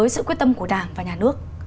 sự quyết tâm của đảng và nhà nước